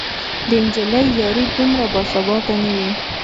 د نجلۍ یاري دومره باثباته نه وي